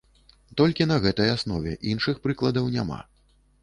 Толькі на гэтай аснове, іншых прыкладаў няма.